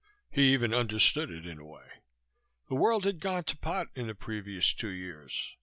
He even understood it, in a way. The world had gone to pot in the previous two years.